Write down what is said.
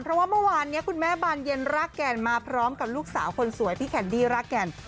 เพราะว่าเมื่อวานนี้คุณแม่บานเย็นรากแก่นมาพร้อมกับลูกสาวคนสวยพี่แคนดี้รากแก่น